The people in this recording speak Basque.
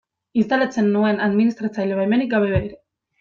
Instalatzen nuen administratzaile baimenik gabe ere.